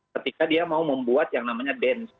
ketika dia mau membuat yang namanya dance